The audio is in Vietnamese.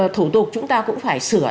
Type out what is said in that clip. thủ tục chúng ta cũng phải sửa